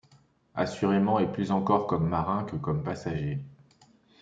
Assurément... et plus encore comme marin que comme passager!